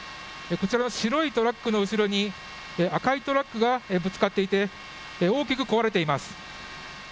こちら白いトラックの後ろに赤いトラックがぶつかっていて大きく壊れています。